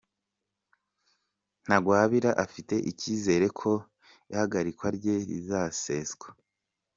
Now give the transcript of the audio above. Ntagwabira afite icyizere ko ihagarikwa rye rizaseswa